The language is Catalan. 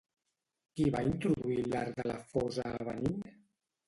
Qui va introduir l'art de la fosa a Benín?